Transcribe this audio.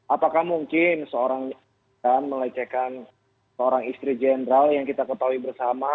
apakah mungkin seorang melecehkan seorang istri jenderal yang kita ketahui bersama